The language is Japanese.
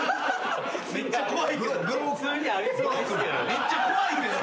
めっちゃ怖いけど。